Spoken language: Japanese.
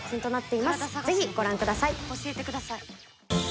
ぜひご覧ください。